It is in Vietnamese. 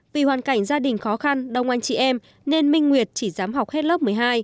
vì hoàn cảnh gia đình khó khăn đông anh chị em nên minh nguyệt chỉ dám học hết lớp một mươi hai